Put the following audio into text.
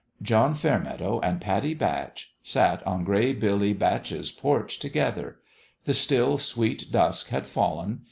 John Fairmeadow and Pattie Batch sat on Gray Billy Batch's porch together. The still, sweet dusk had fallen.